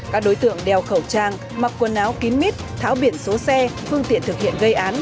các đối tượng đeo khẩu trang mặc quần áo kín mít tháo biển số xe phương tiện thực hiện gây án